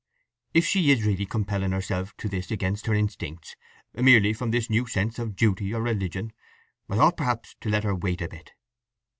"If she is really compelling herself to this against her instincts—merely from this new sense of duty or religion—I ought perhaps to let her wait a bit."